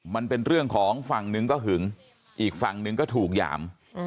มันเป็นเรื่องของฝั่งหนึ่งก็หึงอีกฝั่งนึงก็ถูกหยาม